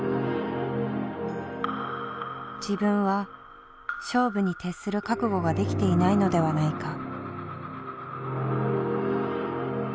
自分は勝負に徹する覚悟ができていないのではないか。